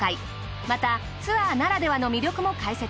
またツアーならではの魅力も解説。